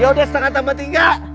yaudah setengah tambah tiga